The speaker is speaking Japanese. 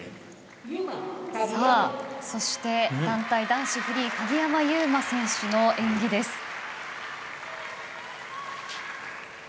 そして団体男子フリー鍵山優真選手の演技です。